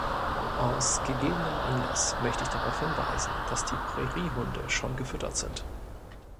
Aus gegebenem Anlass möchte ich darauf hinweisen, dass die Präriehunde schon gefüttert sind.